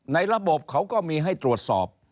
ในระบบเขาก็มีให้ตรวจสอบ